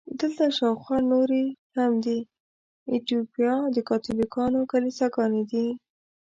دلته شاوخوا نورې هم د ایټوپیا د کاتولیکانو کلیساګانې دي.